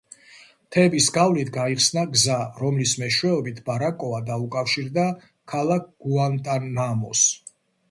მთების გავლით გაიხსნა გზა, რომლის მეშვეობით ბარაკოა დაუკავშირდა ქალაქ გუანტანამოს.